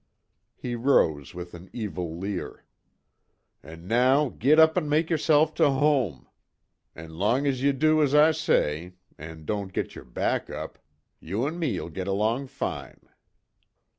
He rose with an evil leer. "An' now git up an' make yerself to home an' long as ye do as I say, an' don't git yer back up, you an' me'll git along fine."